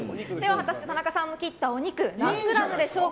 果たして、田中さんの切ったお肉何グラムでしょうか？